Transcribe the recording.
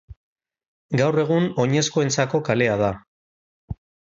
Gaur egun oinezkoentzako kalea da.